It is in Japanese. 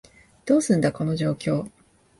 どうすんだ、この状況？